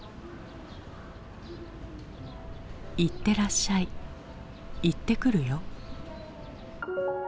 いってらっしゃいいってくるよ。